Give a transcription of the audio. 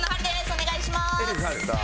お願いします。